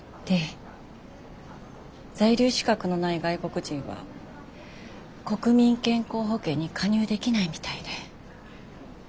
在留資格のない外国人は国民健康保険に加入できないみたいで。